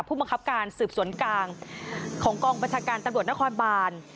ผู้บังคับการสืบสวนกลางของกองบัญชาการตำรวจนครบาน